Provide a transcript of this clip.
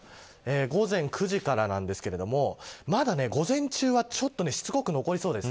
午前９時からなんですけれどもまだ午前中はしつこく残りそうです。